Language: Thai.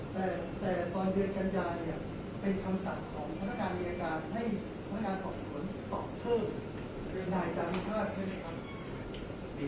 แต่แต่ตอนเรียนกัญญาเนี่ยเป็นคำศัพท์ของพนักการรียาการให้พนักการรายการสอบสนสอบเชื่อ